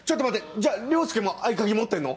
じゃあ凌介も合鍵持ってんの？